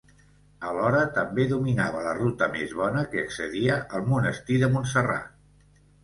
Alhora, també dominava la ruta més bona que accedia al monestir de Montserrat.